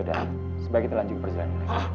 ya udah sebaiknya kita lanjutkan perjalanan